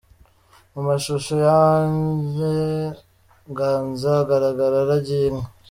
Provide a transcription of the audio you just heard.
Mu mashusho ya Agnes, Ganza agaragara aragiye inka.